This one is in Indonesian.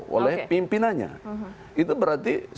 di daerah itu kepatuhan yang harus diperhatikan